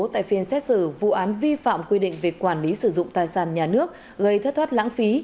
tại phiên xét xử vụ án vi phạm quy định về quản lý sử dụng tài sản nhà nước gây thất thoát lãng phí